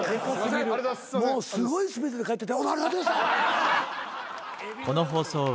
もうすごいスピードで帰ってった。